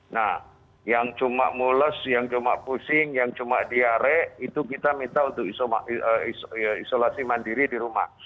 nah yang cuma mules yang cuma pusing yang cuma diare itu kita minta untuk isolasi mandiri di rumah